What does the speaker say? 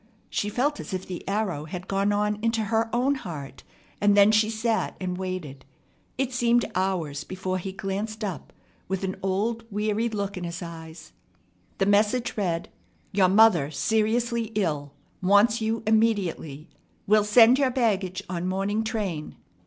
She felt as if the arrow had gone on into her own heart, and then she sat and waited. It seemed hours before he glanced up, with an old, weary look in his eyes. The message read: "Your mother seriously ill. Wants you immediately. Will send your baggage on morning train.